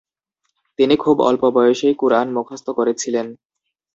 তিনি খুব অল্প বয়সেই কুরআন মুখস্থ করেছিলেন।